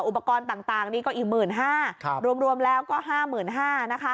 อุปกรณ์ต่างต่างนี้ก็อีกหมื่นห้าครับรวมรวมแล้วก็ห้ามื่นห้านะคะ